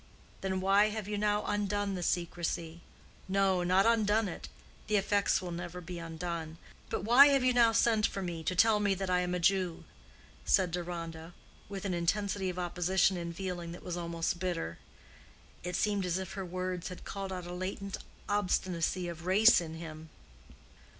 "Then why have you now undone the secrecy?—no, not undone it—the effects will never be undone. But why have you now sent for me to tell me that I am a Jew?" said Deronda, with an intensity of opposition in feeling that was almost bitter. It seemed as if her words had called out a latent obstinacy of race in him.